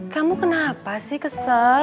kamu kenapa sih kesel